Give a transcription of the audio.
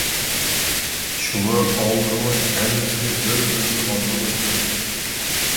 شۇڭا ئالدىرىماي ھەممىسىنى بىر بىردىن ئالدىرىماي كۆرۈپ چىقتىم.